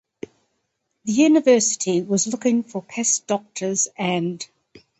The university was looking for pest doctors and.